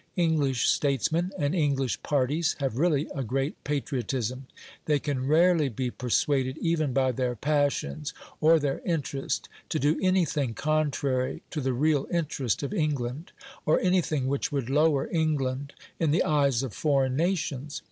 English statesmen and English parties have really a great patriotism; they can rarely be persuaded even by their passions or their interest to do anything contrary to the real interest of England, or anything which would lower England in the eyes of foreign nations.